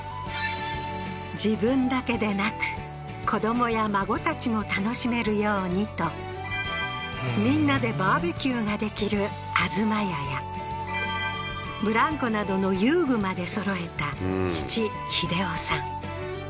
自分だけでなく子どもや孫たちも楽しめるようにとみんなでバーベキューができる東屋やブランコなどの遊具までそろえた父英夫さん